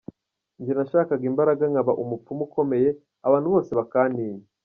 Njye nashakaga imbaraga nkaba umupfumu ukomeye abantu bose bakantinya.